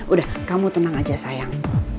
udah kamu tenang aja sayang